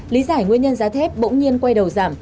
lý giải nguyên nhân giá thép bỗng nhiên quay đầu giảm